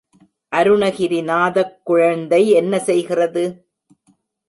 அருணகிரிநாதக் குழந்தை என்ன செய்கிறது?